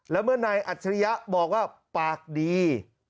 แล้วเมื่อนายอัจฉริยะบอกว่าปากดี